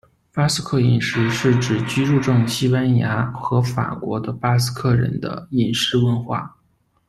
巴斯克饮食是指居住证西班牙和法国的巴斯克人的饮食文化。